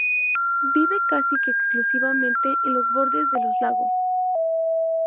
Vive casi que exclusivamente en los bordes de los lagos.